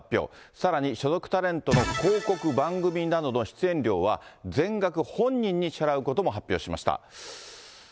さらに所属タレントの広告、番組などの出演料は、全額本人に支払うことも発表しました。